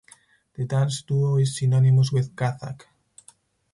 The dance duo is synonymous with Kathak.